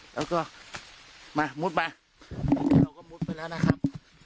แล้วก็มามุดมาเราก็มุดไปแล้วนะครับ